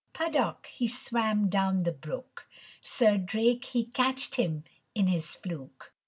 Puddock he swam down the brook, Sir Drake he catched him in his fluke.